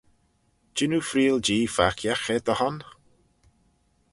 Jean oo freayll Jee farkiaght er dty hon?